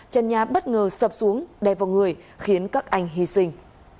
chân nhà bất ngờ sập xuống đe vào người khiến các anh hy sinh